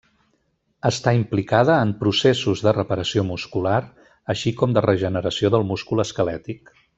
Està implicada en processos de reparació muscular així com de regeneració del múscul esquelètic.